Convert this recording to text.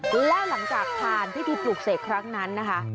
และหลังจากผ่านพิธีปลูกเสกครั้งนั้นนะคะ